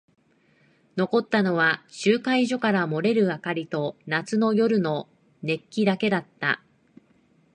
残ったのは集会所から漏れる明かりと夏の夜の熱気だけだった。